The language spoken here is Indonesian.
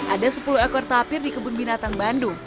ada sepuluh ekor tapir di kebun binatang bandung